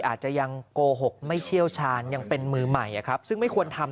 อาจจะยังโกหกไม่เชี่ยวชาญยังเป็นมือใหม่ซึ่งไม่ควรทำ